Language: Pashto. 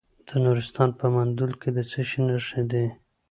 د نورستان په مندول کې د څه شي نښې دي؟